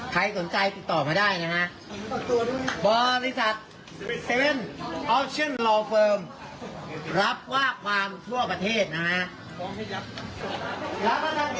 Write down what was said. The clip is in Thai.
ใครสนใจติดต่อมาได้นะฮะบริษัทรับว่าความทั่วประเทศนะฮะ